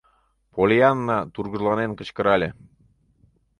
— Поллианна тургыжланен кычкырале.